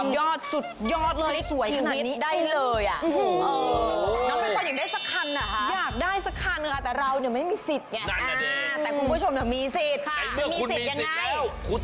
ยอดสุดยอดสวยขนาดนี้ชีวิตได้เลย